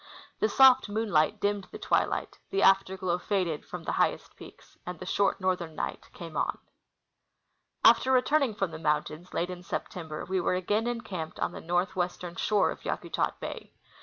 The soft moonlight dimmed the twilight, the after glow faded from the highest j)eaks, and the short northern night came on. After returning from the mountains, late in September, we were again encamped on the northwestern shore of Yakutat bay.